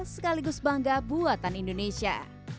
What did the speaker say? sekaligus bangga buatan indonesia